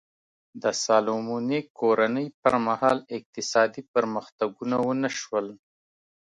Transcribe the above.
د سالومونیک کورنۍ پر مهال اقتصادي پرمختګونه ونه شول.